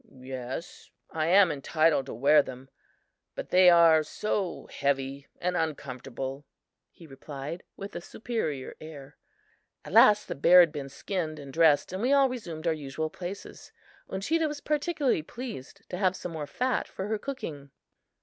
"Yes, I am entitled to wear them, but they are so heavy and uncomfortable," he replied, with a superior air. At last the bear had been skinned and dressed and we all resumed our usual places. Uncheedah was particularly pleased to have some more fat for her cooking.